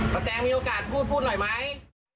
ป้าแตงมีโอกาสพูดหน่อยไหม